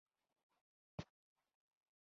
تولید هېڅکله پراخ نه شي.